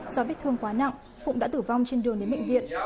do vết thương quá nặng phụng đã tử vong trên đường đến bệnh viện